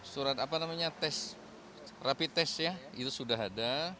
surat apa namanya tes rapi tes ya itu sudah ada